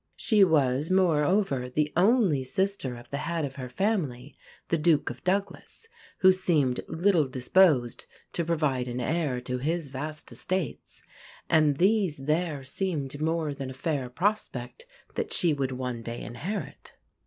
She was, moreover, the only sister of the head of her family, the Duke of Douglas, who seemed little disposed to provide an heir to his vast estates; and these there seemed more than a fair prospect that she would one day inherit.